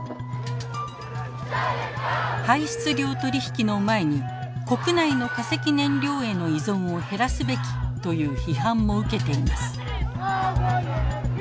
排出量取引の前に国内の化石燃料への依存を減らすべきという批判も受けています。